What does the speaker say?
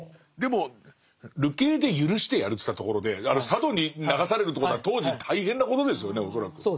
でも流刑で許してやるっていったところで佐渡に流されるってことは当時大変なことですよね恐らく。